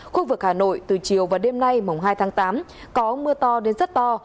khu vực hà nội từ chiều và đêm nay mùng hai tháng tám có mưa to đến rất to